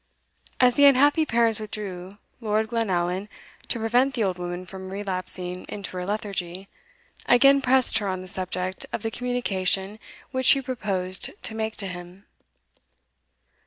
As the unhappy parents withdrew, Lord Glenallan, to prevent the old woman from relapsing into her lethargy, again pressed her on the subject of the communication which she proposed to make to him.